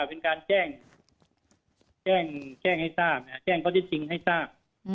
เป็นการแจ้งให้ทราบแจ้งข้อที่จริงให้ทราบ